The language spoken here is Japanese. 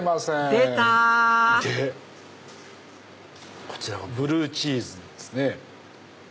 出たでこちらがブルーチーズのですね